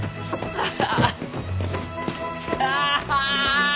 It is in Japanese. ああ！